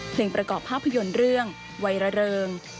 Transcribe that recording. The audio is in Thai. ประกอบภาพยนตร์เรื่องวัยระเริง